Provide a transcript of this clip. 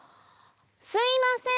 すいません！